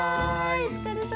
お疲れさま。